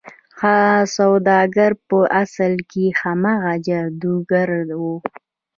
هغه سوداګر په اصل کې هماغه جادوګر و.